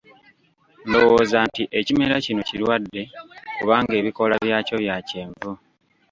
Ndowooza nti ekimera kino kirwadde kubanga ebikoola byakyo bya kyenvu.